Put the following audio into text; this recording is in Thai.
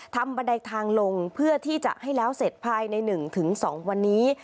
บันไดทางลงเพื่อที่จะให้แล้วเสร็จภายใน๑๒วันนี้